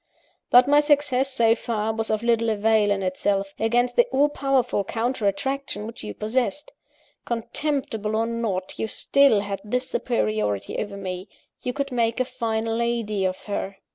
"But my success, so far, was of little avail, in itself; against the all powerful counter attraction which you possessed. Contemptible, or not, you still had this superiority over me you could make a fine lady of her.